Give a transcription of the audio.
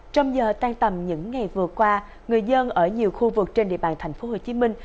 trong giờ tan tầm những ngày vừa qua người dân ở nhiều khu vực trên địa bàn thành phố hồ chí minh